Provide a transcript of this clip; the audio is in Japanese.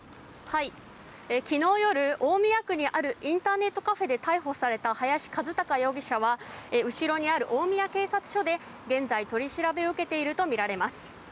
昨日夜大宮区にあるインターネットカフェで逮捕された林一貴容疑者は後ろにある大宮警察署で現在取り調べを受けているとみられます。